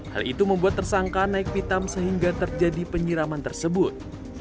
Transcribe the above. hal itu membuat tersangka naik pitam sehingga terjadi penyiraman tersebut